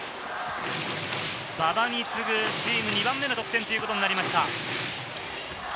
馬場に次ぐチーム２番目の得点ということになりました。